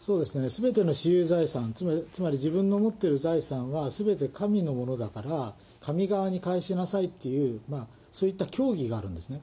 すべての私有財産、つまり自分の持ってる財産はすべて神のものだから、神側に返しなさいっていう、そういった教義があるんですね。